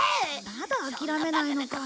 まだ諦めないのか。